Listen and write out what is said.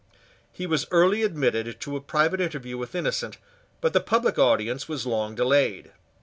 He was early admitted to a private interview with Innocent: but the public audience was long delayed.